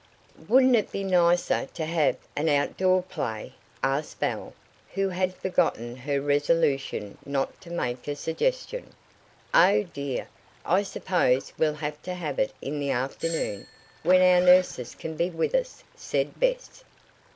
"Wouldn't it be nicer to have an out door play?" asked Belle, who had forgotten her resolution not to make a suggestion. "Oh, dear! I suppose we'll have to have it in the afternoon, when our nurses can be with us," said Bess.